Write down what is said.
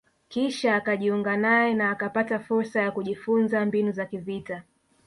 kisha akajiunga naye na akapata fursa ya kujifunza mbinu za kivita